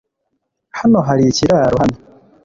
Hano hari ikiraro hano .